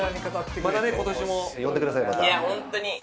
また今年も呼んでください。